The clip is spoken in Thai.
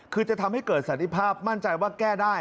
คือจะทำให้เกิดสันติภาพมั่นใจว่าแก้ได้